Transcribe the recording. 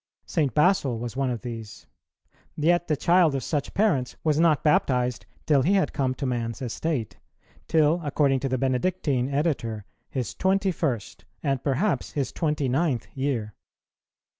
St. Basil was one of these; yet the child of such parents was not baptized till he had come to man's estate, till, according to the Benedictine Editor, his twenty first, and perhaps his twenty ninth, year.